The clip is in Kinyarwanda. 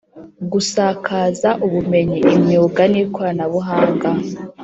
gusakaza ubumenyi, imyuga n’ikoranabuhanga